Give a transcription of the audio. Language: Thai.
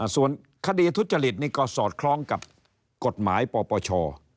ส่วนคดีทุจริตนี่ก็สอดคล้องกับกฎหมายปปช